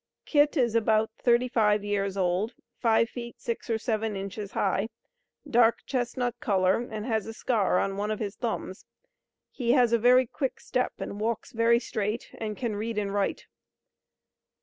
Kit is about 35 years old, five feet, six or seven inches high, dark chestnut color and has a scar on one of his thumbs, he has a very quick step and walks very straight, and can read and write.